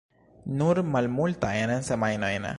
Nur malmultajn semajnojn.